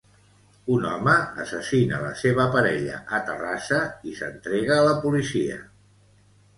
Un home assassina la seva parella a Terrassa i s'entrega a la policia.